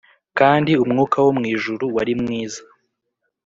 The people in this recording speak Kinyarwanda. kandi umwuka wo mwijuru wari mwiza